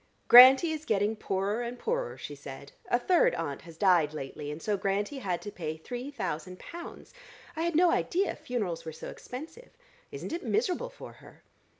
"Grantie is getting poorer and poorer," she said. "A third aunt has died lately, and so Grantie had to pay three thousand pounds. I had no idea funerals were so expensive. Isn't it miserable for her?"